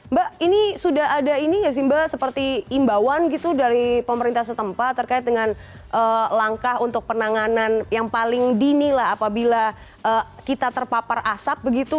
mbak ini sudah ada ini nggak sih mbak seperti imbauan gitu dari pemerintah setempat terkait dengan langkah untuk penanganan yang paling dini lah apabila kita terpapar asap begitu